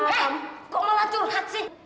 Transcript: heeeh kok melaju lihat sih